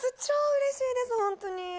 超うれしいです本当に。